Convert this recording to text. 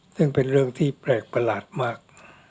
ซึ่งเป็นเรื่องที่แปลกประหลาดมาก